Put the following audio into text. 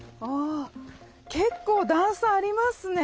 結構段差ありますね。